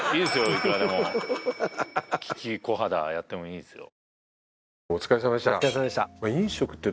いくらでも利きこはだやってもいいですよどう？